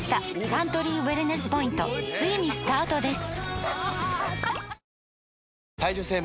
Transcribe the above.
サントリーウエルネスポイントついにスタートです！